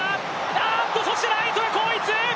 あーっと、そして、ライトが後逸！